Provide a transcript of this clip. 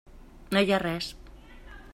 No hi ha res.